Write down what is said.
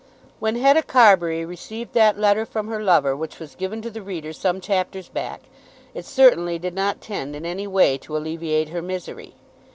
When Hetta Carbury received that letter from her lover which was given to the reader some chapters back, it certainly did not tend in any way to alleviate her misery.